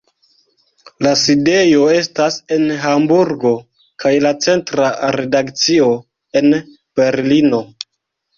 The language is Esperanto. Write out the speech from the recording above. La sidejo estas en Hamburgo, kaj la centra redakcio en Berlino.